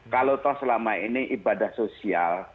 kalau selama ini ibadah sosial